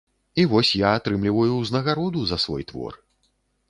І вось я атрымліваю ўзнагароду за свой твор.